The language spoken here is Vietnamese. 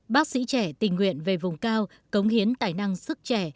bác sĩ trẻ tình nguyện về vùng cao cống hiến tài năng sức trẻ